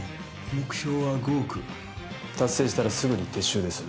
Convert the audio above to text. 目標は５億達成したらすぐに撤収です